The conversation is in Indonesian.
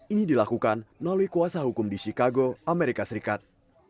ini dilakukan melalui kuasa hukum di chicago amerika serikat